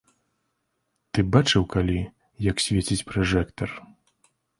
Ты бачыў калі, як свеціць пражэктар?